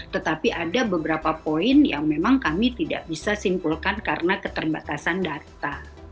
tetapi ada beberapa poin yang memang kami tidak bisa simpulkan karena keterbatasan data